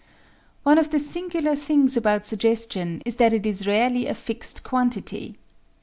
One of the singular things about suggestion is that it is rarely a fixed quantity.